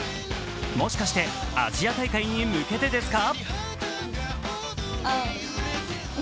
もしかしてアジア大会に向けてですか？